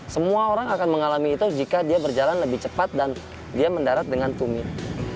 semua orang akan mengalami itu jika dia berjalan lebih cepat dan dia mendarat dengan tumit